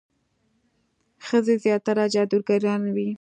ښځې زیاتره جادوګرانې وي.